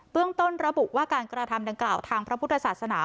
ต้นระบุว่าการกระทำดังกล่าวทางพระพุทธศาสนา